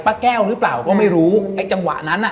ป้าแก้วหรือเปล่าก็ไม่รู้จังหวะนั้น